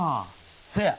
せや！